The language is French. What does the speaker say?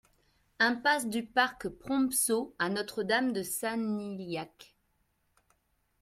Impasse du Parc de Prompsault à Notre-Dame-de-Sanilhac